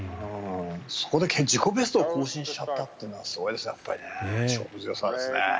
そこで自己ベストを更新しちゃったというのはすごいですね。